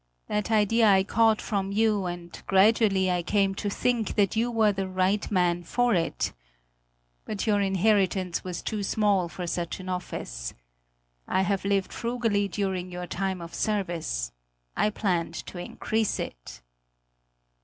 That idea I caught from you, and gradually I came to think that you were the right man for it. But your inheritance was too small for such an office. I have lived frugally during your time of service I planned to increase it."